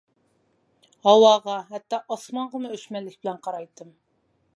ھاۋاغا ھەتتا ئاسمانغىمۇ ئۆچمەنلىك بىلەن قارايتتىم.